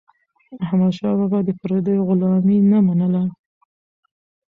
احمدشاه بابا د پردیو غلامي نه منله.